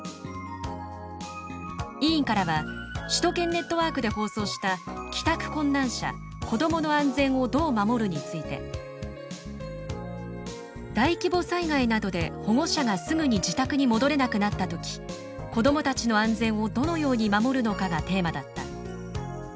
委員からは首都圏ネットワークで放送した「帰宅困難者子どもの安全をどう守る」について「大規模災害などで保護者がすぐに自宅に戻れなくなった時子どもたちの安全をどのように守るのかがテーマだった。